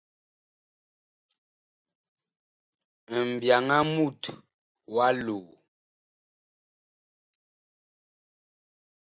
Mbyaŋ a mut wa loo.